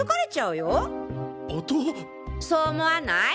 そう思わない？